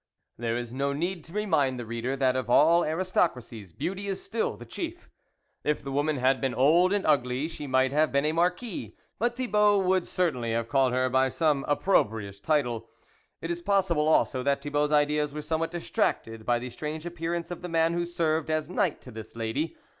There is no need to remind the reader that of all aristocracies, beauty is still the chief. If the woman had been old and ugly, she might have been a Marquise, but Thibault would certainly have called her by some opprobrious title. '; It is possible also that Thibault's ideas were scmewhat distracted by the strange ap pearance of the man who served as knight to this lady